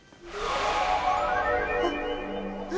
あっ何？